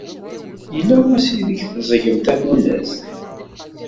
Yella wass ideg teẓẓgem tafunast?